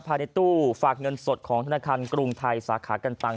ภายในตู้ฝากเงินสดของธนาคารกรุงไทยสาขากันตัง